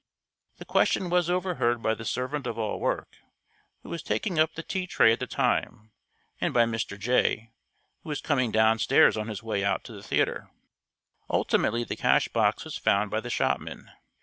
The question was overheard by the servant of all work, who was taking up the tea tray at the time, and by Mr. Jay, who was coming downstairs on his way out to the theater. Ultimately the cash box was found by the shopman.